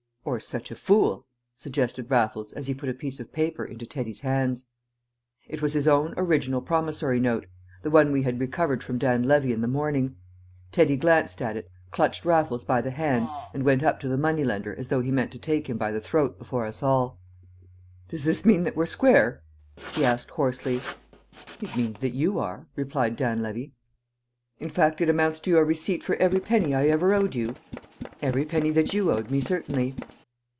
"Or such a fool?" suggested Raffles, as he put a piece of paper into Teddy's hands. It was his own original promissory note, the one we had recovered from Dan Levy in the morning. Teddy glanced at it, clutched Raffles by the hand, and went up to the money lender as though he meant to take him by the throat before us all. "Does this mean that we're square?" he asked hoarsely. "It means that you are," replied Dan Levy. "In fact it amounts to your receipt for every penny I ever owed you?" "Every penny that you owed me, certainly."